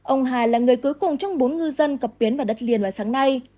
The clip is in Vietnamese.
ông hải là người cuối cùng trong bốn ngư dân cập biến vào đất liền vào sáng nay